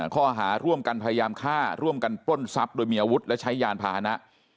ข้อหาร่วมกันพยายามฆ่าร่วมกันปล้นทรัพย์โดยมีอาวุธและใช้ยานพาหนะ